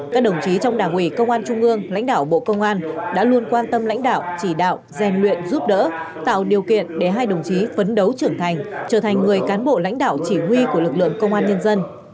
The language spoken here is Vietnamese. các đồng chí trong đảng ủy công an trung ương lãnh đạo bộ công an đã luôn quan tâm lãnh đạo chỉ đạo gian luyện giúp đỡ tạo điều kiện để hai đồng chí phấn đấu trưởng thành trở thành người cán bộ lãnh đạo chỉ huy của lực lượng công an nhân dân